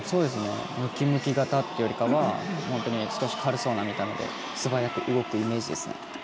ムキムキ型っていうよりは少し軽そうな見た目で素早く動くイメージですね。